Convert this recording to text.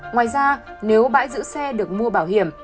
ngoài ra nếu bãi giữ xe được mua bảo hiểm